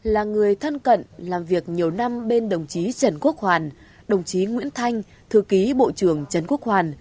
là người thân cận làm việc nhiều năm bên đồng chí trần quốc hoàn đồng chí nguyễn thanh thư ký bộ trưởng trần quốc hoàn